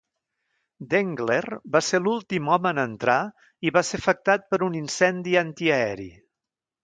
Dengler va ser l'últim home en entrar i va ser afectat per un incendi antiaeri.